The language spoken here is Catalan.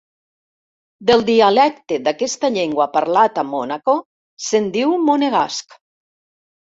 Del dialecte d'aquesta llengua parlat a Mònaco, se'n diu monegasc.